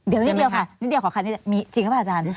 เดี๋ยวค่ะนิดเดียวขอคำนี้มีจริงปะพระอาจารย์